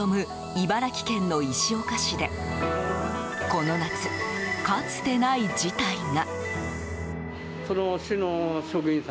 茨城県の石岡市でこの夏、かつてない事態が。